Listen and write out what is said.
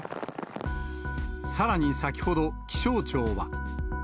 さらに先ほど、気象庁は。